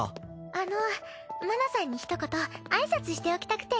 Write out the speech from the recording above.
あの麻奈さんにひと言挨拶しておきたくて。